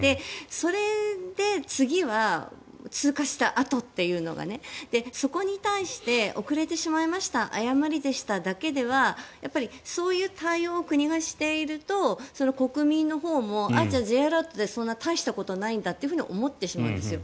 それで次は通過したあとっていうのがそこに対して遅れてしまいました誤りでしただけではやっぱりそういう対応を国がしていると国民のほうもあ、じゃあＪアラートってそんなに大したものじゃないんだと思ってしまうんですよ。